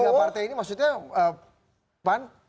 tiga partai ini maksudnya